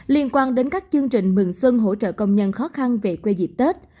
liên quan đến các chương trình mừng xuân hỗ trợ công nhân khó khăn về quê dịp tết